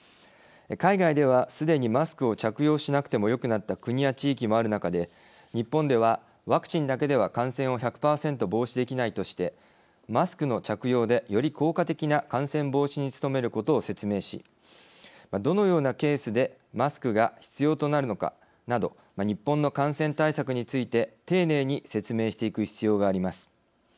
海外では、すでにマスクを着用しなくてもよくなった国や地域もある中で、日本ではワクチンだけでは感染を１００％防止できないとしてマスクの着用で、より効果的な感染防止に努めることを説明しどのようなケースでマスクが必要となるのかなど日本の感染対策について丁寧に説明していく必要があります。